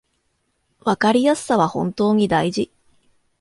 わかりやすさは本当に大事